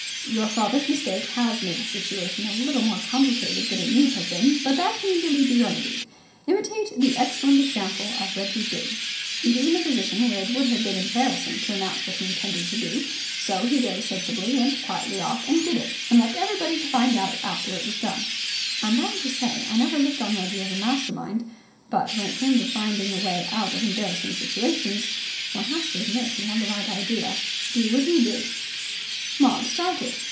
Your father's mistake has made the situation a little more complicated than it need have been, but that can easily be remedied. Imitate the excellent example of Reggie Byng. He was in a position where it would have been embarrassing to announce what he intended to do, so he very sensibly went quietly off and did it and left everybody to find out after it was done. I'm bound to say I never looked on Reggie as a master mind, but, when it came to find a way out of embarrassing situations, one has to admit he had the right idea. Do what he did!" Maud started.